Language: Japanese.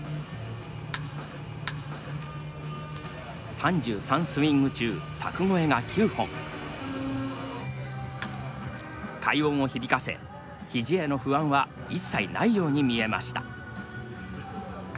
３３スイング中快音を響かせひじへの不安は一切ないように見えました。